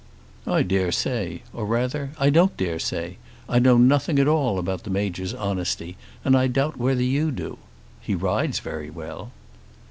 "I dare say. Or rather, I don't dare say. I know nothing about the Major's honesty, and I doubt whether you do. He rides very well."